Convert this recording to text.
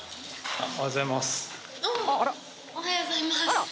あっおはようございますあっ